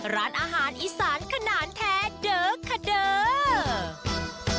ร้านอาหารอีสานขนาดแท้เด้อคาเดอร์